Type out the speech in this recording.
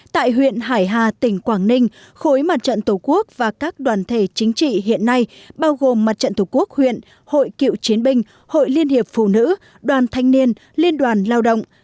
tại huyện hải hà tỉnh quảng ninh khối mặt trận tổ quốc và các đoàn thể chính trị hiện nay bao gồm mặt trận tổ quốc huyện hội cựu chiến binh hội liên hiệp phụ nữ đoàn thanh niên liên đoàn lao động